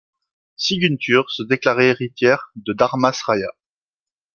Siguntur se déclarait héritière de Dharmasraya.